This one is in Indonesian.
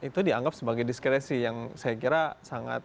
dan itu dianggap sebagai diskresi yang saya kira sangat